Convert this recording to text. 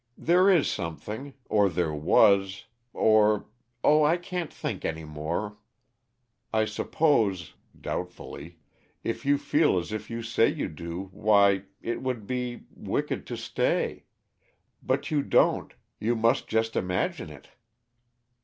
"There is something or there was or oh, I can't think any more! I suppose" doubtfully "if you feel as you say you do, why it would be wicked to stay. But you don't; you must just imagine it."